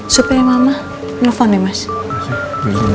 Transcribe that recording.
supaya mama nelfon ya mas